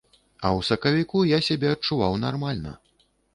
А ў сакавіку я сябе адчуваў нармальна.